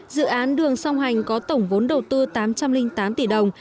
dự án đường song hành có tổng vốn đầu tư tám trăm linh tám tỷ đồng